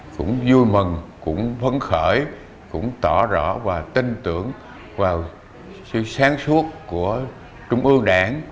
cũng vui mừng cũng phấn khởi cũng tỏ rõ và tin tưởng vào sự sáng suốt của trung ương đảng